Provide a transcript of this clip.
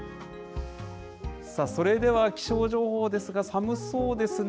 それでは、気象情報ですが、寒そうですね。